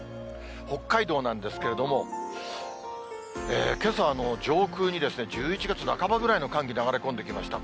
北海道なんですけれども、けさ、上空に１１月半ばぐらいの寒気流れ込んできました。